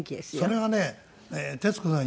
それがね徹子さん